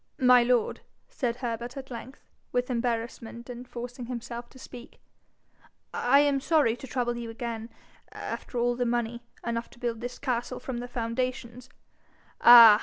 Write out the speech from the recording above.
'My lord,' said Herbert at length, with embarrassment, and forcing himself to speak, 'I am sorry to trouble you again, after all the money, enough to build this castle from the foundations ' 'Ah!